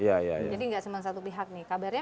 jadi nggak cuma satu pihak nih kabarnya